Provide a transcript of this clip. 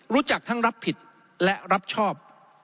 รู้จักทั้งรับผิดและรับชอบ